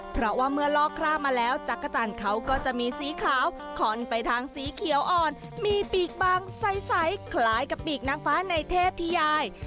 เพราะว่าเมื่อลอกคร่ามาแล้วจักรจันทร์เขาก็จะมีสีขาวคอนไปทางสีเขียวอ่อนมีปีกบางใสคล้ายกับปีกนางฟ้าในเทพธิยาย